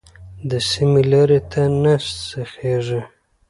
د سمې لارې ته نه سیخېږي.